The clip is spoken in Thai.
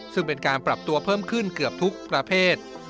ซึ่งเป็นการปรับตัวเพิ่มขึ้นเกือบทุกประเภท